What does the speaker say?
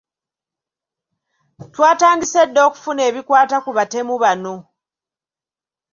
Twatandise dda okufuna ebikwata ku batemu bano.